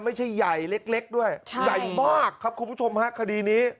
ไม่ใช่ใหญ่เล็กด้วยใหญ่มากครับคุณผู้ชมฮะคดีนี้